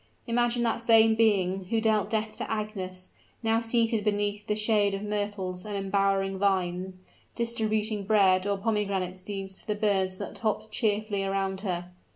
Imagine that same being, who dealt death to Agnes, now seated beneath the shade of myrtles and embowering vines, distributing bread or pomegranate seeds to the birds that hopped cheerfully around her.